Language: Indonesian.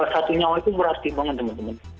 satu nyawa itu berarti banget teman teman